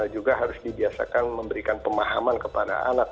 juga harus dibiasakan memberikan pemahaman kepada anak